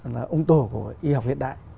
là ung tổ của y học hiện đại